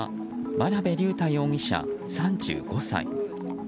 真辺龍太容疑者、３５歳。